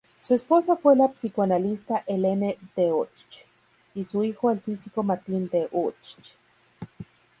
Su esposa fue la psicoanalista Helene Deutsch, y su hijo el físico Martin Deutsch.